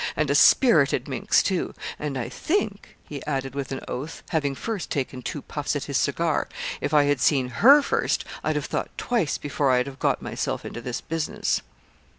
and a spirited minx, too; and I think,' he added, with an oath, having first taken two puffs at his cigar, 'if I had seen her first, I'd have thought twice before I'd have got myself into this business.'